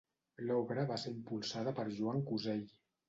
L’obra va ser impulsada per Joan Cusell.